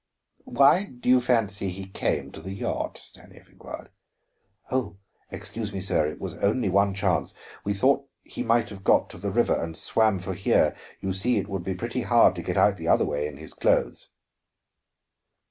"Why did you fancy he came to the yacht?" Stanief inquired. "Oh, excuse me, sir; it was only one chance. We thought he might have got to the river and swam for here. You see, it would be pretty hard to get out the other way in his clothes."